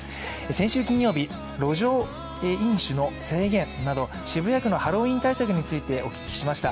先週金曜日、路上飲酒の制限など渋谷区のハロウィーン対策について、お聞きしました。